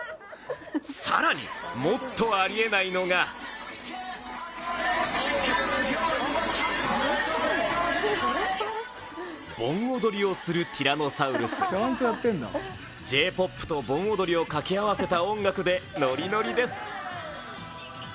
更にもっとありえないのが盆踊りをするティラノサウルスＪ‐ＰＯＰと盆踊りを掛け合わせた音楽でノリノリです。